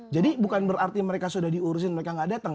jadi bukan berarti mereka sudah diurusin mereka nggak datang